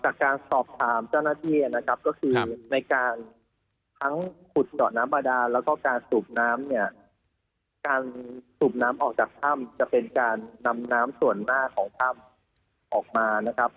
จากการสอบถามเจ้าหน้าที่นะครับก็คือในการทั้งขุดเจาะน้ำบาดานแล้วก็การสูบน้ำเนี่ยการสูบน้ำออกจากถ้ำจะเป็นการนำน้ำส่วนหน้าของถ้ำออกมานะครับ